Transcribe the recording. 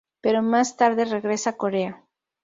Pero más tarde regresa a Corea.